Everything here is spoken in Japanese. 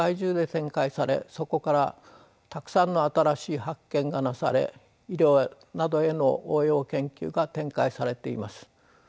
そこからたくさんの新しい発見がなされ医療などへの応用研究が展開されています。